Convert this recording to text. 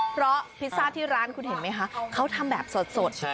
เพราะพิซซ่าที่ร้านคุณเห็นไหมคะเขาทำแบบสด